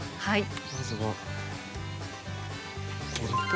はい。